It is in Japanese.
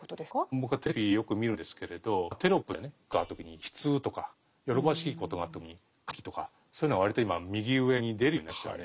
僕はテレビよく見るんですけれどテロップでね悲しい出来事あった時に「悲痛」とか喜ばしいことがあった時に「歓喜」とかそういうのが割と今右上に出るようになりましたよね。